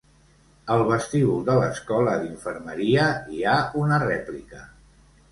Al vestíbul de l'Escola d'Infermeria hi ha una rèplica.